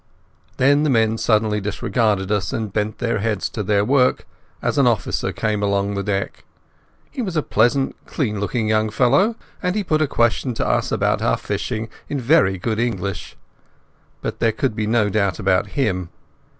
Then the men suddenly disregarded us and bent their heads to their work as an officer came along the deck. He was a pleasant, clean looking young fellow, and he put a question to us about our fishing in very good English. But there could be no doubt about him.